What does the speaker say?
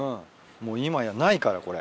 もう今やないからこれ。